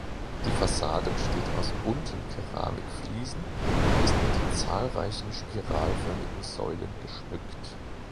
Die Fassade besteht aus bunten Keramikfliesen und ist mit zahlreichen spiralförmigen Säulen geschmückt.